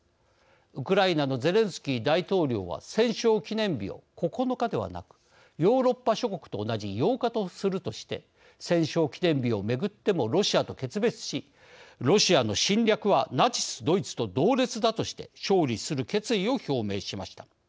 ウクライナのゼレンスキー大統領は戦勝記念日を９日ではなくヨーロッパ諸国と同じ８日とするとして戦勝記念日を巡ってもロシアと決別しロシアの侵略はナチスドイツと同列だとして勝利する決意を表明しました。